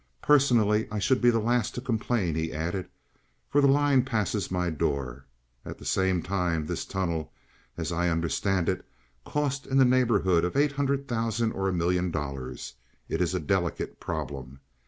"Personally, I should be the last to complain," he added, "for the line passes my door. At the same time this tunnel, as I understand it, cost in the neighborhood of eight hundred thousand or a million dollars. It is a delicate problem.